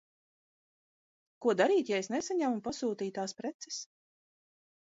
Ko darīt, ja es nesaņemu pasūtītās preces?